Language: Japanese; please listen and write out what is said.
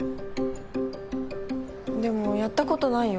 でもやったことないよ。